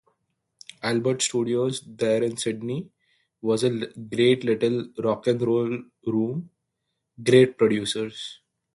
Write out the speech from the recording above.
Albert Studios there in Sydney was a great little rock and roll room...Great producers.